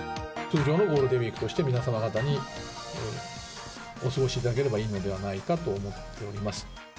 通常のゴールデンウィークとして、皆様方にお過ごしいただければいいのではないかと思っています。